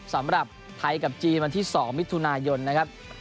สำหรับไทยกับจีนวันที่๒มิถุนายนนะครับ